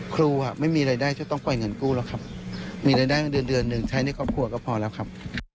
ครูไม่มีรายได้จะต้องปล่อยเงินกู้หรอกครับมีรายได้เงินเดือนเดือนหนึ่งใช้ในครอบครัวก็พอแล้วครับ